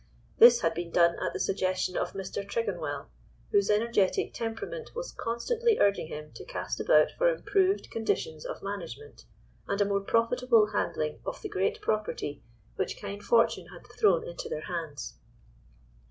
This had been done at the suggestion of Mr. Tregonwell, whose energetic temperament was constantly urging him to cast about for improved conditions of management, and a more profitable handling of the great property which kind fortune had thrown into their hands.